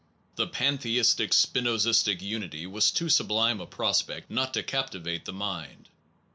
The panthe istic spinozistic unity was too sublime a pros pect not to captivate the mind.